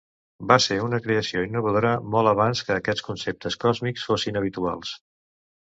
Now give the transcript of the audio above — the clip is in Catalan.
Va ser una creació innovadora molt abans que aquests conceptes còsmics fossin habituals.